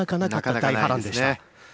大波乱でした。